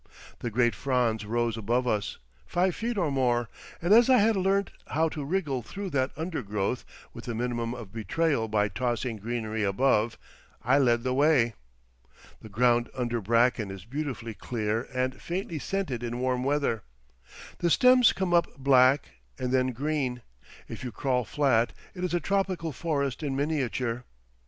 The great fronds rose above us, five feet or more, and as I had learnt how to wriggle through that undergrowth with the minimum of betrayal by tossing greenery above, I led the way. The ground under bracken is beautifully clear and faintly scented in warm weather; the stems come up black and then green; if you crawl flat, it is a tropical forest in miniature.